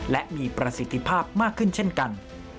และมีประสิทธิภาพมากขึ้นเช่นกัน